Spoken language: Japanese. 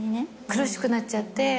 苦しくなっちゃって。